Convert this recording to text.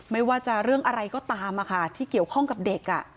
ไม่ว่าจะเรื่องอะไรก็ตามที่เกี่ยวข้องกับเด็ก